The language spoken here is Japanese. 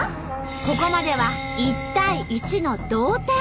ここまでは１対１の同点。